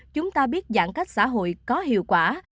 chúng ta biết giãn cách xã hội có hiệu quả